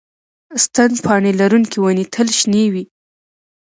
ستن پاڼې لرونکې ونې تل شنې وي